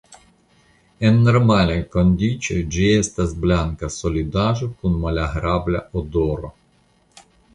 En normalaj kondiĉoj ĝi estas blanka solidaĵo kun malagrabla odoro.